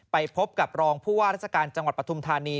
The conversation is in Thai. ไปพบกับรองผู้ว่าราชการจังหวัดปฐุมธานี